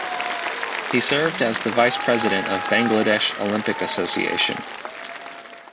He served as the Vice President of Bangladesh Olympic Association.